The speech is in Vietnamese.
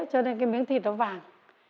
cho nên cái miếng thịt nó vàng